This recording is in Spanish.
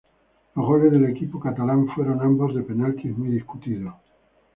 Los goles del equipo catalán fueron ambos de penaltis muy discutidos.